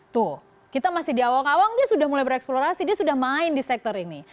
tuh kita masih di awal awal dia sudah mulai bereksplorasi dia sudah main di sektor ini